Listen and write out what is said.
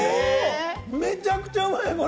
めちゃくちゃうまいよ、これ。